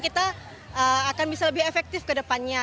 kita akan bisa lebih efektif ke depannya